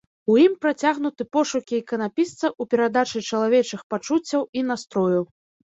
У ім працягнуты пошукі іканапісца ў перадачы чалавечых пачуццяў і настрою.